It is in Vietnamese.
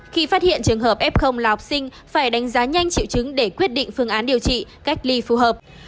khi phát hiện trường hợp f là học sinh phải đánh giá nhanh triệu chứng để quyết định phương án điều trị cách ly phù hợp